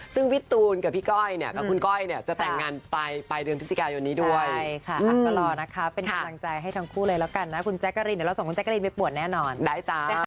ซึ่งพี่ตูนกับพี่ก้อยเนี่ยกับคุณก้อยเนี่ยจะแต่งงานไป